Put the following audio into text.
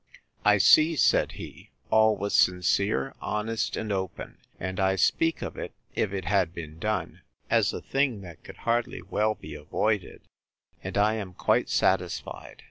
I see, said he, all was sincere, honest, and open; and I speak of it, if it had been done, as a thing that could hardly well be avoided; and I am quite satisfied.